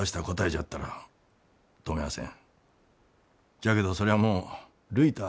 じゃけどそりゃあもうるいたあ